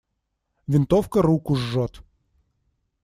Винтовка руку жжет.